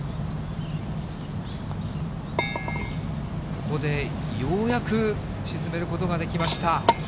ここでようやく沈めることができました。